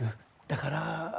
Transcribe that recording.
だから。